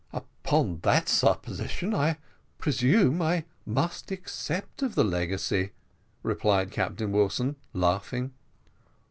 "Upon that supposition I presume I must accept of the legacy," replied Captain Wilson, laughing.